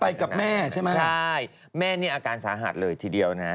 ไปกับแม่ใช่ไหมใช่แม่นี่อาการสาหัสเลยทีเดียวนะฮะ